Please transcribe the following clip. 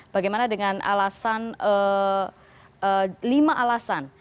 bagaimana dengan alasan lima alasan